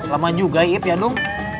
lama juga ib ya dung